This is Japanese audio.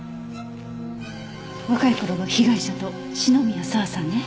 若い頃の被害者と篠宮佐和さんね。